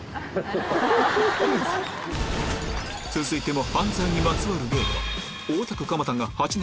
続いても